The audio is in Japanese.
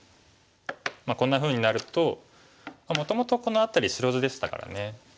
こんなふうになるともともとこの辺り白地でしたからね